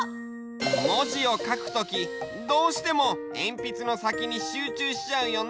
もじをかくときどうしてもえんぴつのさきにしゅうちゅうしちゃうよね。